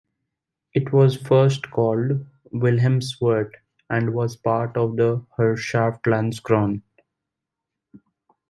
It was first called "Wilhelmswert" and was part of the Herrschaft Landskron.